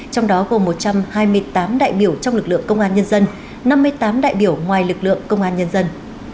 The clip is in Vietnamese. trong đó gồm một trăm hai mươi tám đại biểu trong lực lượng công an nhân dân năm mươi tám đại biểu ngoài lực lượng công an nhân dân